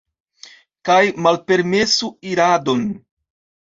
Kaj malpermesu iradon.